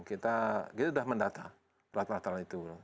kita sudah mendata peralatan peralatan itu